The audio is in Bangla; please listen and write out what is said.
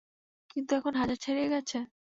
কিন্তু এখন হাজার ছাড়িয়ে গেছে!